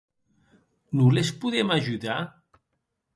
Non les podem ajudar?